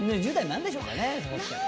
何でしょうね。